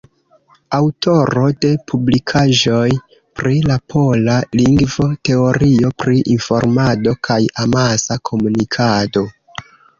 Aŭtoro de publikaĵoj pri la pola lingvo, teorio pri informado kaj amasa komunikado.